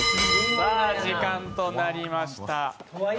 時間となりました。